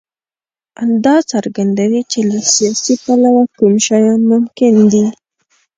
دا څرګندوي چې له سیاسي پلوه کوم شیان ممکن دي.